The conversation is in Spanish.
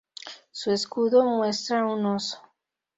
Su escudo muestra un oso.